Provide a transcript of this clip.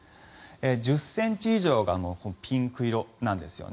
１０ｃｍ以上がピンク色なんですよね。